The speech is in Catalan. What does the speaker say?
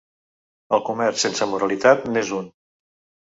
El comerç sense moralitat n’és un.